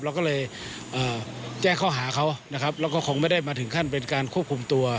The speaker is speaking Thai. เราก็เลยแจ้งข้อหาเขานะครับแล้วก็คงไม่ได้มาถึงขั้นเป็นการควบคุมตัว